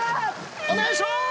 お願いしまーす！